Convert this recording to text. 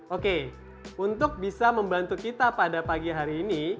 oke untuk bisa membantu kita pada pagi hari ini